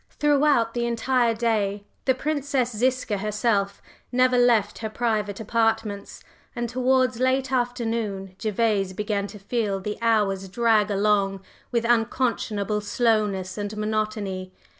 Throughout the entire day the Princess Ziska herself never left her private apartments, and towards late afternoon Gervase began to feel the hours drag along with unconscionable slowness and monotony.